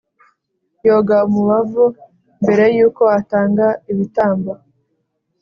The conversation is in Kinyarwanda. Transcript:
yoga umubavu mbere y uko atanga ibitambo